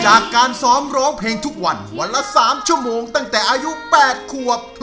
จากการซ้อมร้องเพลงทุกวันวันละ๓ชั่วโมงตั้งแต่อายุ๘ขวบ